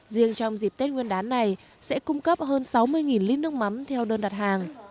riêng trong dịp tết nguyên đán này sẽ cung cấp hơn sáu mươi lít nước mắm theo đơn đặt hàng